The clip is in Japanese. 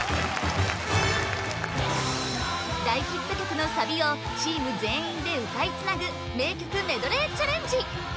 大ヒット曲のサビをチーム全員で歌いつなぐ名曲メドレーチャレンジ！